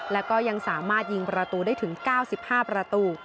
แล้วก็ยังสามารถยิงประตูได้ถึงเก้าสิบห้าประตู